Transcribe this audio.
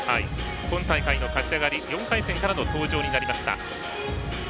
今大会の勝ち上がり４回戦からの登場になりました。